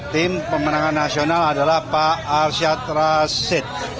tim pemenangan nasional adalah pak arsyad rashid